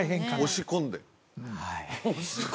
押し込んで？